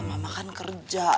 mama kan kerja